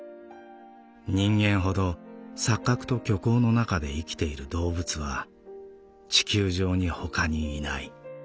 人間ほど錯覚と虚構の中で生きている動物は地球上に他にいない」。